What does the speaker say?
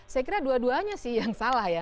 saya kira dua duanya sih yang salah ya